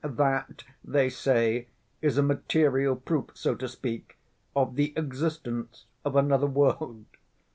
That, they say, is a material proof, so to speak, of the existence of another world.